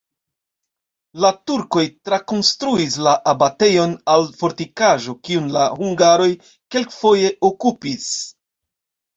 La turkoj trakonstruis la abatejon al fortikaĵo, kiun la hungaroj kelkfoje okupis.